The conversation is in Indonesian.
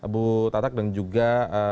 bu tatak dan juga